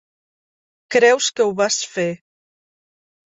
Creus que ho vas fer.